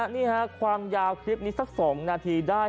นี่ค่ะความยาวคลิปนี้สัก๒นาทีได้